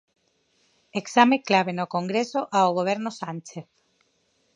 Exame clave no Congreso ao Goberno Sánchez.